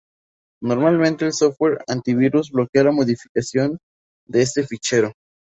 Normalmente el software antivirus bloquea la modificación de este fichero.